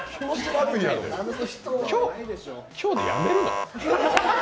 今日でやめるの？